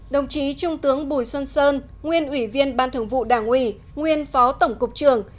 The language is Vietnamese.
hai đồng chí trung tướng bùi xuân sơn nguyên ủy viên ban thường vụ đảng ủy nguyên phó tổng cục trường